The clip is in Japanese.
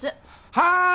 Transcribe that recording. はい！